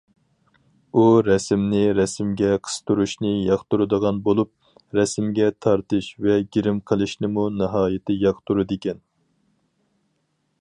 ئۇ رەسىمنى رەسىمگە قىستۇرۇشنى ياقتۇرىدىغان بولۇپ، رەسىمگە تارتىش ۋە گىرىم قىلىشنىمۇ ناھايىتى ياقتۇرىدىكەن.